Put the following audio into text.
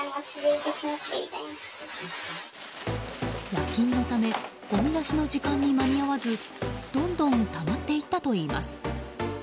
夜勤のためごみ出しの時間に間に合わずどんどんたまっていったといいます。